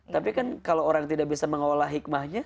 tapi kan kalau orang tidak bisa mengolah hikmahnya